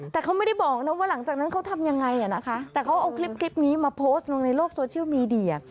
แต่เขาเอาคลิปนี้มาโพสต์ลงในโลกโซเชียลมีดี